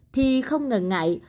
thì không ngần ngại